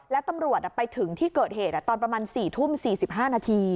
แล้วตำรวจไปถึงที่เกิดเหตุตอนประมาณ๔ทุ่ม๔๕นาที